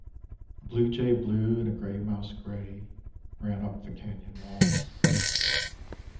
(A bluejay blue and a gray mouse gray ran up the canyon walls.)